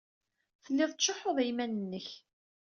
Tellid tettcuḥḥud i yiman-nnek.